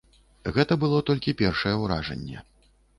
Гэта было толькі першае ўражанне.